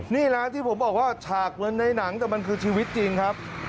นี่นะที่ผมบอกว่าฉากเหมือนในหนังแต่มันคือชีวิตจริงครับ